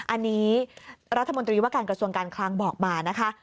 อันนี้รัฐมนตรีว่าการกระทรวงการคลังบอกมานะคะ